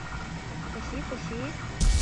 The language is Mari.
Пыси-пыси...